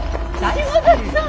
島崎さん！